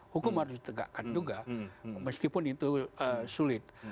hukum harus ditegakkan juga meskipun itu sulit